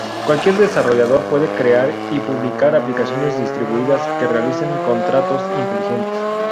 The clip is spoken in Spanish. Cualquier desarrollador puede crear y publicar aplicaciones distribuidas que realicen contratos inteligentes.